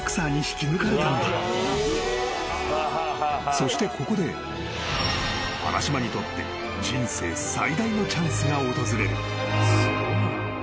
［そしてここで原島にとって人生最大のチャンスが訪れる］